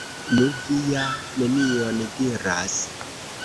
Nu, vi ja nenion diras!